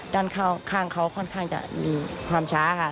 ข้างเขาค่อนข้างจะมีความช้าค่ะ